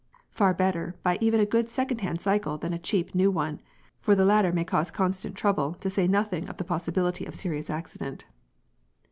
Far better buy even a good second hand cycle than a "cheap" new one, for the latter may cause constant trouble, to say nothing of the possibility of serious accident.